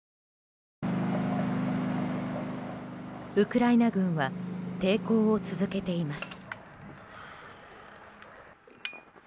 ウクライナ軍は抵抗を続けています。